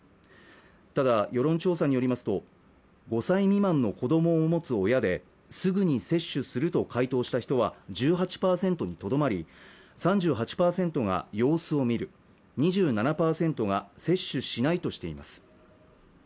ただ世論調査によりますと５歳未満の子どもを持つ親ですぐに接種すると回答した人は１８％にとどまり３８％が様子を見る２７％が接種しないとしています